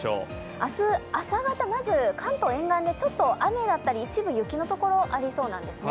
明日、朝方、まず関東沿岸で雨だったり一部、雪のところありそうなんですね。